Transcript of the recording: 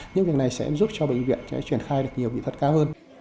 những việc này sẽ giúp cho bệnh viện triển khai được nhiều kỹ thuật cao hơn